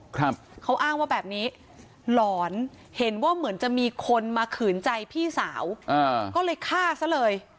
ครับเขาอ้างว่าแบบนี้หลอนเห็นว่าเหมือนจะมีคนมาขืนใจพี่สาวอ่าก็เลยฆ่าซะเลย